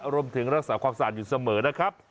รวมถึงรักษควักสารยังอยู่เสมอนะครับ